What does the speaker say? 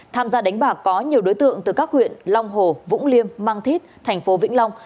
tham gia đánh bạc có nhiều đối tượng từ các huyện long hồ vũng liêm mang thít thành phố vĩnh long